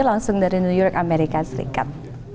langsung dari new york amerika serikat